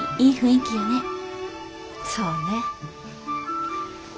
そうね。